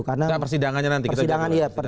karena persidangannya nanti